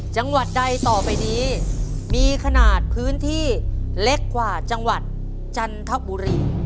จังหวัดใดต่อไปนี้มีขนาดพื้นที่เล็กกว่าจังหวัดจันทบุรี